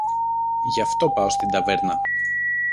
Γι' αυτό πάω στην ταβέρνα.